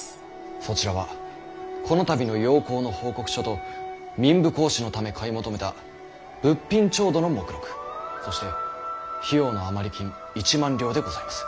そちらはこの度の洋行の報告書と民部公子のため買い求めた物品調度の目録そして費用の余り金１万両でございます。